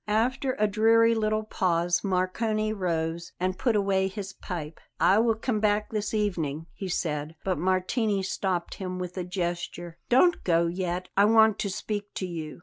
After a dreary little pause, Marcone rose and put away his pipe. "I will come back this evening," he said; but Martini stopped him with a gesture. "Don't go yet; I want to speak to you."